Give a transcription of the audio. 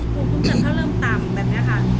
คุณผู้ชมเขาเริ่มต่ำแบบนี้ค่ะ